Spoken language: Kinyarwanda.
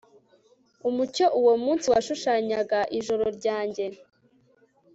umucyo uwo munsi washushanyaga ijoro ryanjye